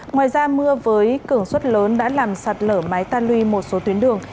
ngoài ra mưa với cường suất lớn đã làm sạt lở mái tan luy một số tuyến đường